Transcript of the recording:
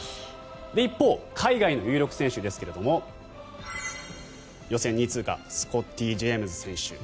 一方、海外の有力選手ですが予選２位通過スコッティ・ジェームズ選手。